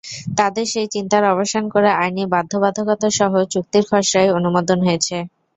তাদের সেই চিন্তার অবসান করে আইনি বাধ্যবাধকতাসহ চুক্তির খসড়াই অনুমোদন হয়েছে।